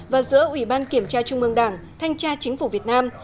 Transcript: và giữa ủy ban kiểm tra trung ương đảng thanh tra chính phủ việt nam